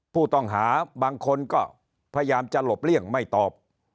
ผู้ต้องหาบางคนก็พยายามจะหลบเลี่ยงไม่ตอบ